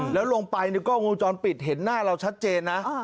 แล้วลงไปในกล้องวงจรปิดเห็นหน้าเราชัดเจนนะ